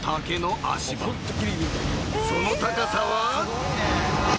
［その高さは］あっ。